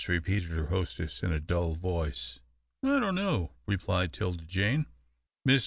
repeated her hostess, in a dull voice. "I don't know," replied 'Tilda Jane. Mrs.